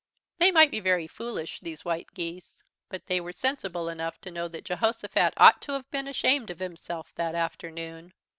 They might be very foolish, these White Geese, but they were sensible enough to know that Jehosophat ought to have been ashamed of himself that afternoon.